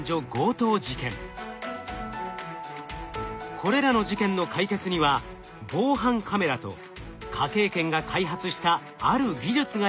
これらの事件の解決には防犯カメラと科警研が開発したある技術が役立っていました。